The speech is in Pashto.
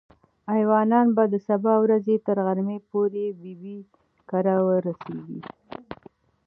ایوانان به د سبا ورځې تر غرمې پورې ببۍ کره ورسېږي.